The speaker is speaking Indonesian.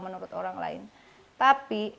menurut orang lain tapi